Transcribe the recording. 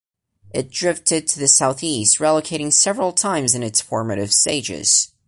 It drifted to the southeast, relocating several times in its formative stages.